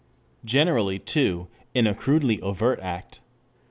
Generally too, in a crudely overt act.